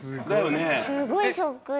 すごいそっくり。